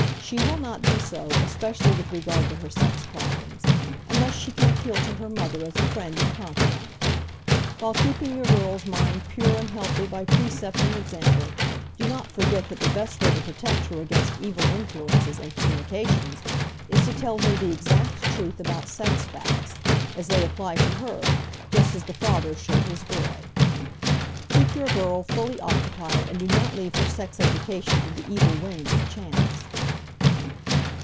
She will not be so, especially with regard to her sex problems, unless she can appeal to her mother as a friend and confidant. While keeping your girl's mind pure and healthy by precept and example, do not forget that the best way to protect her against evil influences and communications is to tell her the exact truth about sex facts, as they apply to her, just as the father should his boy. Keep your girl fully occupied and do not leave her sex education to the evil winds of chance.